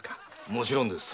もちろんです。